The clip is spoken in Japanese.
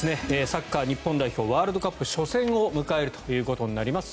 サッカー日本代表ワールドカップ初戦を迎えるということになります。